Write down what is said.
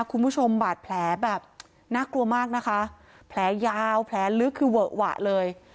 คุณผู้ชมบาดแผลแบบน่ากลัวมากนะคะแผลยาวแผลลึกคือเวอะหวะเลย